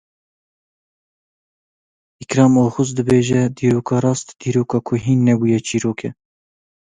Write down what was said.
Îkram Oxuz dibêje; dîroka rast, dîroka ku hîn nebûye çîrok e.